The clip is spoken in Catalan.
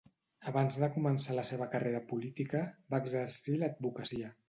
Abans de començar la seva carrera política, va exercir l'advocacia.